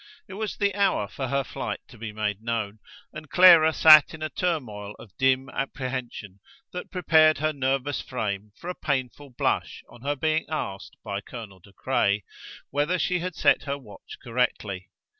It was the hour for her flight to be made known, and Clara sat in a turmoil of dim apprehension that prepared her nervous frame for a painful blush on her being asked by Colonel De Craye whether she had set her watch correctly.